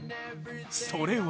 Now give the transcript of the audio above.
それは！